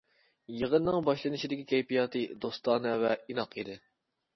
يىغىننىڭ باشلىنىشىدىكى كەيپىياتى دوستانە ۋە ئىناق ئىدى.